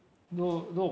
どう？